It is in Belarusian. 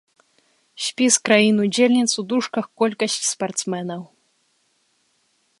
Спіс краін-удзельніц, у дужках колькасць спартсменаў.